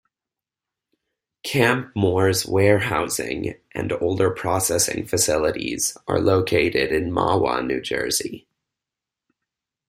Campmor's warehousing and order processing facilities are located in Mahwah, New Jersey.